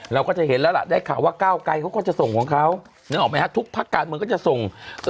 เราก็จะเห็นแล้วล่ะได้ข่าวว่าก้าวไกรเขาก็จะส่งของเขานึกออกไหมฮะทุกพักการเมืองก็จะส่ง